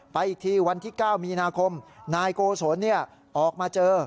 อีกทีวันที่๙มีนาคมนายโกศลออกมาเจอ